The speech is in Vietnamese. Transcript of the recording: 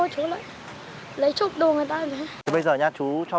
cái này bao nhiêu tiền